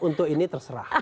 untuk ini terserah